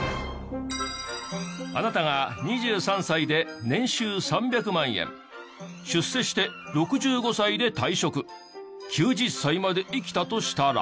あなたが２３歳で年収３００万円出世して６５歳で退職９０歳まで生きたとしたら。